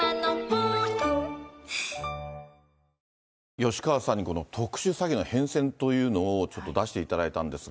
吉川さんに、この特殊詐欺の変遷というのを、ちょっと出していただいたんですが。